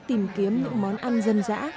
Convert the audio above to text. tìm kiếm những món ăn dân dã